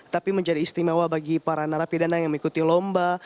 tapi menjadi istimewa bagi para narapidana yang mengikuti lomba